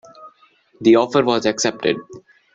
The offer was accepted.